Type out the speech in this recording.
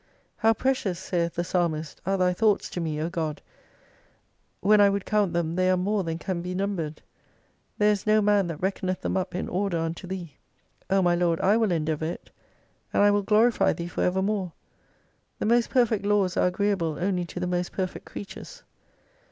How precious, saith the psalmist, are Thy thoughts to me, O God ; tvhen I would coujit them they are more than can be numbered. There is no man that reckoneth them up in order unto Thee. O my Lord I will endeavour it : and I will glorify Thee for evermore. The most perfect laws are agreeable only to the most perfect creatures.